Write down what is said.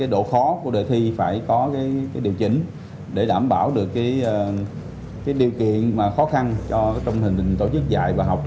độ khó của đề thi phải có điều chỉnh để đảm bảo được điều kiện khó khăn trong hình định tổ chức dạy và học